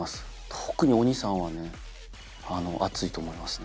特に鬼さんはね暑いと思いますね。